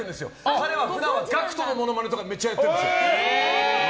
彼は普段はＧＡＣＫＴのモノマネとかめっちゃやってるんですよ。